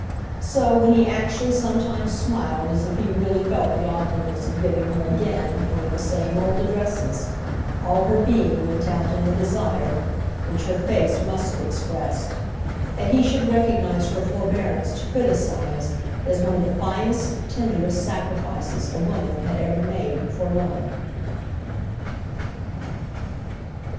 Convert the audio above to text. So, when he actually sometimes smiled as if he really felt the awkwardness of giving her again one of the same old addresses, all her being went out in the desire—which her face must have expressed—that he should recognise her forbearance to criticise as one of the finest tenderest sacrifices a woman had ever made for love.